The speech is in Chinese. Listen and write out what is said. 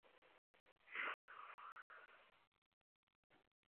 切赫巴尼奥。